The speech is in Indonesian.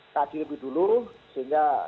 kaji lebih dulu sehingga